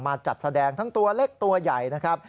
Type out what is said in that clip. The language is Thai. จัดแสดงทั้งตัวเล็กตัวใหญ่นะครับ